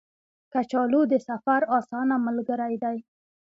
کچالو د سفر اسانه ملګری دی